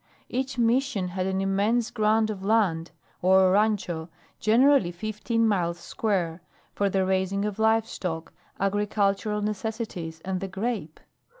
Each Mission had an immense grant of land, or rancho generally fifteen miles square for the raising of live stock, agricultural necessities, and the grape.